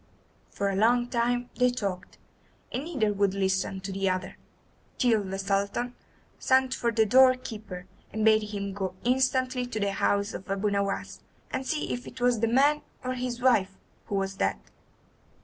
For a long time they talked, and neither would listen to the other, till the Sultan sent for the door keeper and bade him go instantly to the house of Abu Nowas and see if it was the man or his wife who was dead.